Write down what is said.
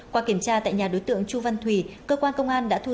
qua kiểm tra tại nhà đối tượng chu văn thùy cơ quan công an đã thu